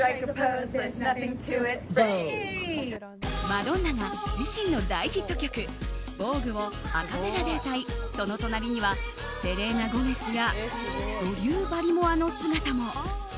マドンナが自身の大ヒット曲「ヴォーグ」をアカペラで歌い、その隣にはセレーナ・ゴメスやドリュー・バリモアの姿も。